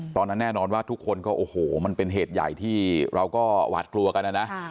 ตอนนั้นแน่นอนว่าทุกคนมันเป็นเหตุใหญ่ที่เราก็หวัดกลัวค่ะ